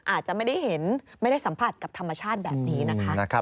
อาจจะไม่ได้เห็นไม่ได้สัมผัสกับธรรมชาติแบบนี้นะคะ